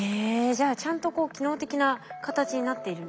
じゃあちゃんとこう機能的な形になっているんですね。